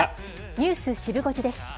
ニュースシブ５時です。